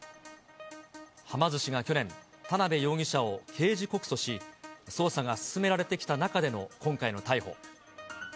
はま寿司が去年、田辺容疑者を刑事告訴し、捜査が進められてきた中での今回の逮捕。